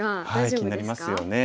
気になりますよね。